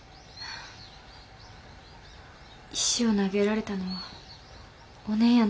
石を投げられたのはお姉やん